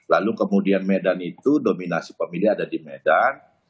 lalu kemudian medan itu dominasi pemilih ada di medan